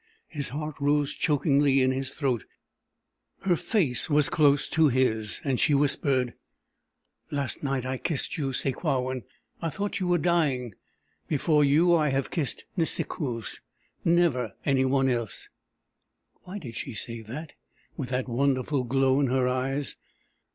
His heart rose chokingly in his throat. Her face was close to his, and she whispered: "Last night I kissed you, Sakewawin. I thought you were dying. Before you, I have kissed Nisikoos. Never any one else." Why did she say that, with that wonderful glow in her eyes?